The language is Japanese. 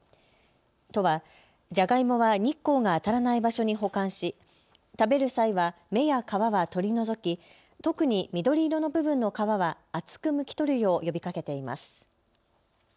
都はジャガイモは日光が当たらない場所に保管し食べる際は芽や皮は取り除き特に緑色の部分の皮は厚くむき取るよう呼びかけています。